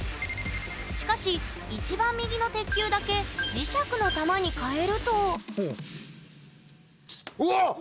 しかし一番右の鉄球だけ磁石の玉にかえるとうおっ！